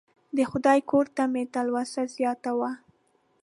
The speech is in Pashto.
د خدای کور ته مې تلوسه زیاته وه.